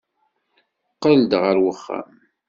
Qqel-d ɣer uxxam.